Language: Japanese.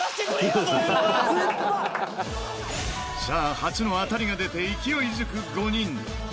さあ初の当たりが出て勢いづく５人。